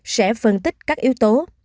sẽ phân tích các yếu tố